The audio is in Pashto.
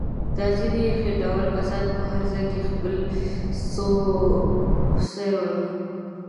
دا ځنیې خېټور کسان په هر ځای کې خپل څوس وهي.